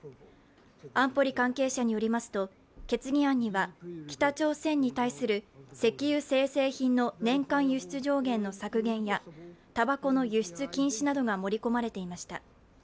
安保理関係者によりますと決議案には、北朝鮮に対する石油精製品の年間輸出上限の削減やたばこの輸出禁止などが盛り込まれていました。